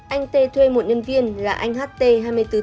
anh t thuê một nhân viên là anh hát t hai mươi bốn tuổi